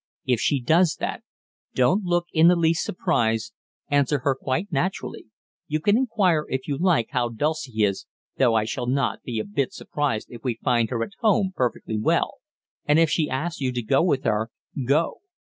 If she does that, don't look in the least surprised, answer her quite naturally you can inquire, if you like, how Dulcie is, though I shall not be a bit surprised if we find her at home perfectly well and if she asks you to go with her, go.